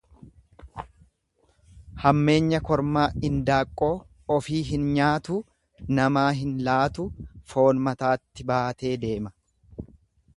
Hammeenya kormaa indaaqqoo ofii hin nyaatu, namaa hin laatu foon mataatti baatee deema.